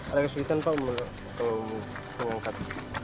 ada kesulitan pak kalau mau angkat